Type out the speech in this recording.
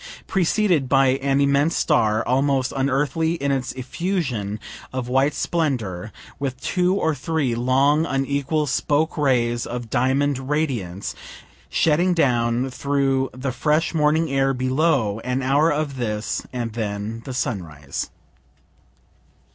Preceded by an immense star, almost unearthly in its effusion of white splendor, with two or three long unequal spoke rays of diamond radiance, shedding down through the fresh morning air below an hour of this, and then the sunrise.